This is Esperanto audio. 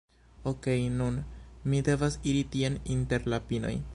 Okej, nun, mi devas iri tien, inter la pinoj.